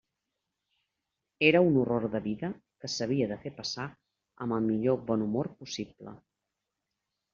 Era un horror de vida que s'havia de fer passar amb el millor bon humor possible.